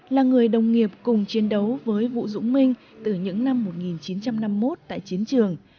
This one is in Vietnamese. là người đồng nghiệp cùng chiến đấu với vũ dũng minh từ những năm một nghìn chín trăm năm mươi một tại chiến trường